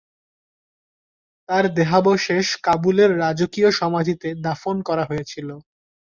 তার দেহাবশেষ কাবুলের রাজকীয় সমাধিতে দাফন করা হয়েছিল।